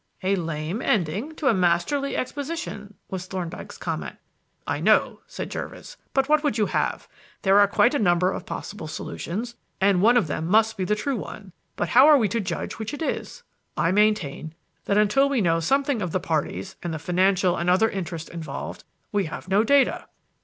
"A lame ending to a masterly exposition," was Thorndyke's comment. "I know," said Jervis. "But what would you have? There are quite a number of possible solutions, and one of them must be the true one. But how are we to judge which it is? I maintain that until we know something of the parties and the financial and other interests involved we have no data."